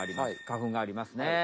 花粉がありますね。